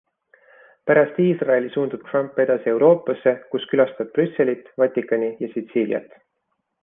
Pärast Iisraeli suundub Trump edasi Euroopasse, kus külastab Brüsselit, Vatikani ja Sitsiiliat.